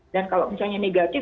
dan kalau misalnya negatif